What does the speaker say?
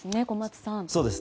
小松さん。